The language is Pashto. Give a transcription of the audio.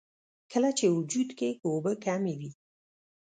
کله چې وجود کښې اوبۀ کمې وي